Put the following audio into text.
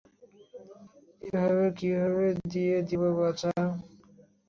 এভাবে কীভাবে দিয়ে দিবো বাচ্চা?